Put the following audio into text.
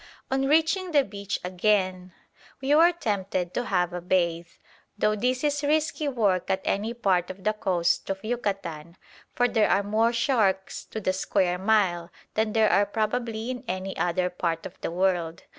On reaching the beach again, we were tempted to have a bathe, though this is risky work at any part of the coast of Yucatan, for there are more sharks to the square mile than there are probably in any other part of the world.